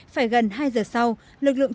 phải gần hai giờ sau lực lượng